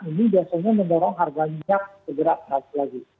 ini biasanya mendorong harga minyak bergerak naik lagi